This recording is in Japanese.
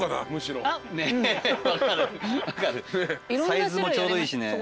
サイズもちょうどいいしね。